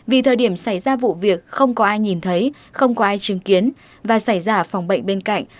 vì thời điểm xảy ra vụ việc không có ai nhìn thấy không có ai chứng kiến và xảy ra phòng bệnh bên cạnh